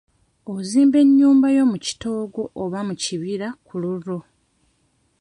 Ozimba ennyumba yo mu kitoogo oba mu kibira ku lulwo.